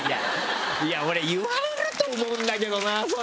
俺言われると思うんだけどなそれは。